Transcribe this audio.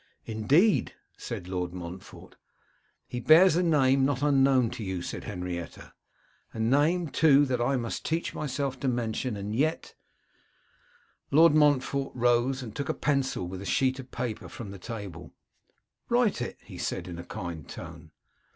'Indeed!' said Lord Montfort. 'He bears a name not unknown to you,' said Henrietta, 'a name, too, that I must teach myself to mention, and yet ' Lord Montfort rose and took a pencil and a sheet of paper from the table, 'Write it,' he said in a kind tone.